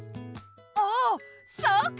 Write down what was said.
おそうか！